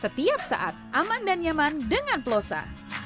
setiap saat aman dan nyaman dengan plosa